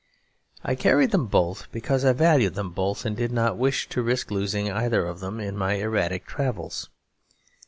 I carried them both because I valued them both, and did not wish to risk losing either of them in my erratic travels.